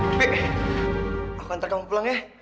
tapi aku antar kamu pulang ya